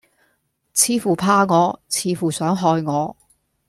似乎怕我，似乎想害我。